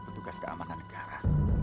betugas keamanan negara